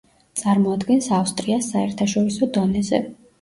წარმოადგენს ავსტრიას საერთაშორისო დონეზე.